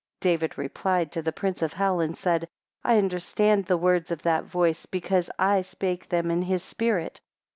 15 David replied to the prince of hell, and said, I understand the words of that voice, because I spake them in his spirit.